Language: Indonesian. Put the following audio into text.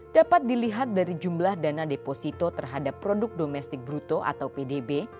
dapat dilihat dari jumlah dana deposito terhadap produk domestik bruto atau pdb